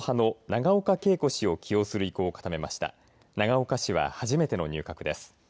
永岡氏は初めての入閣です。